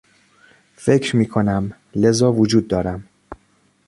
فکر میکنم، لذا وجود دارم.